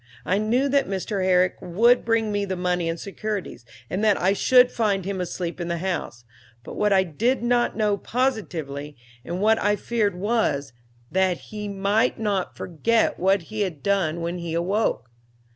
I knew that Mr. Herrick would bring me the money and securities, and that I should find him asleep in the house, but what I did not know positively, and what I feared was, that he might not forget what he had done when he awoke.